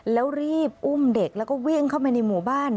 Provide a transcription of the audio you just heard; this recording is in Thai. แล้วรีบอุ้มเด็กแล้วก็วิ่งเข้าไปในหมู่บ้าน